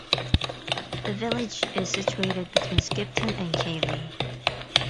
The village is situated between Skipton and Keighley.